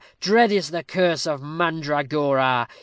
Dread is the curse of mandragora!